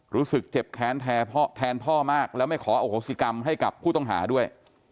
รู้สึกเจ็บแค้นแทนพ่อมากแล้วไม่ขอโอโหสิกรรมให้กับผู้ต้องหาด้วย